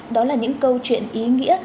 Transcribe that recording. đó là những câu chuyện ý nghĩa